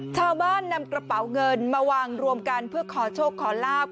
นำกระเป๋าเงินมาวางรวมกันเพื่อขอโชคขอลาบ